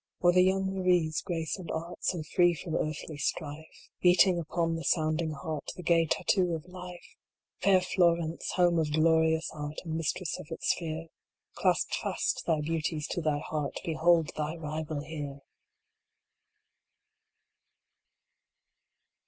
Or the young Marie s grace and art, So free from earthly strife, Beating upon the sounding heart, The gay tattoo of life ! Fair Florence ! home of glorious Art, And mistress of its sphere, Clasp fast thy beauties to thy heart Behold thy rival here